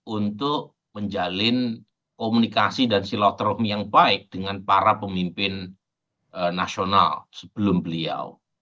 untuk menjalin komunikasi dan silaturahmi yang baik dengan para pemimpin nasional sebelum beliau